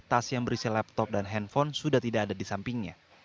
tas yang berisi laptop dan handphone sudah tidak ada di sampingnya